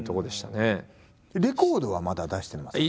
レコードはまだ出してませんか？